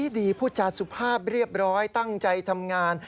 ดีพูดจาสุภาพเรียบร้อยตั้งใจทำงาน